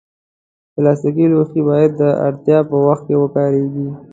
پلاستيکي لوښي باید د اړتیا پر وخت وکارېږي.